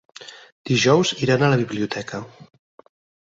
Dijous iran a la biblioteca.